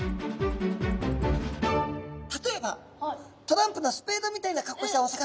例えばトランプのスペードみたいな格好したお魚。